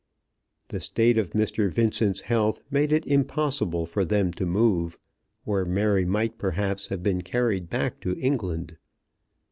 The state of Mr. Vincent's health made it impossible for them to move, or Mary might perhaps have been carried back to England.